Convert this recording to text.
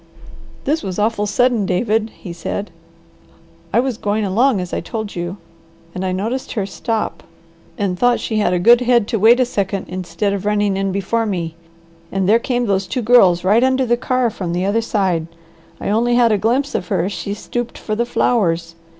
"This was awful sudden, David," he said. "I was going along as I told you, and I noticed her stop and thought she had a good head to wait a second instead of running in before me, and there came those two girls right under the car from the other side. I only had a glimpse of her as she stooped for the flowers.